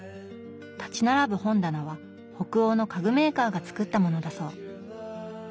立ち並ぶ本棚は北欧の家具メーカーが作ったものだそう。